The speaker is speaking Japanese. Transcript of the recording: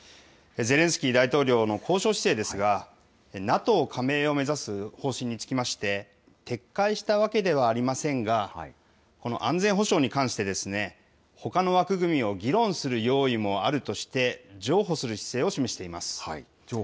ゼレンスキー大統領の交渉姿勢ですが、ＮＡＴＯ加盟を目指す方針につきまして、撤回したわけではありませんが、安全保障に関して、ほかの枠組みを議論する用意もあるとして、譲歩の姿勢。